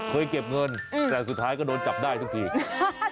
เคยเก็บเงินแต่สุดท้ายก็โดนจับได้จริง